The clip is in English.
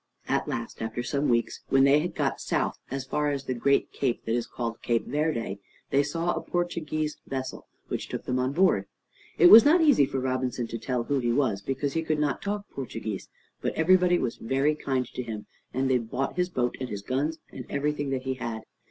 At last, after some weeks, when they had got south as far as the great cape that is called Cape Verde, they saw a Portuguese vessel, which took them on board. It was not easy for Robinson to tell who he was, because he could not talk Portuguese, but everybody was very kind to him, and they bought his boat and his guns and everything that he had.